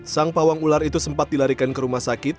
sang pawang ular itu sempat dilarikan ke rumah sakit